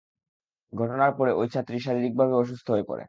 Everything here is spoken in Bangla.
ঘটনার পরে ওই ছাত্রী শারীরিকভাবে অসুস্থ হয়ে পড়ে।